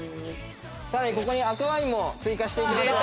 さらにここに赤ワインも追加していきます。